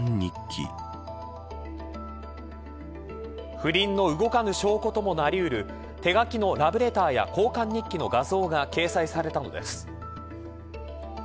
不倫の動かぬ証拠ともなり得る手書きのラブレターや交換日記の画像が掲載されたのです。